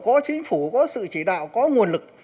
có chính phủ có sự chỉ đạo có nguồn lực